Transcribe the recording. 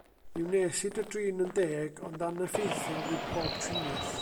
Mi wnes i dy drin yn deg, ond aneffeithiol fu pob triniaeth.